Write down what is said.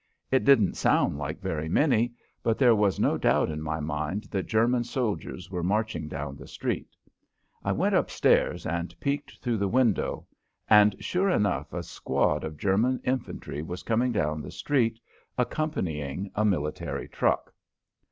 It didn't sound like very many, but there was no doubt in my mind that German soldiers were marching down the street. I went up stairs and peeked through the window, and sure enough a squad of German infantry was coming down the street, accompanying a military truck.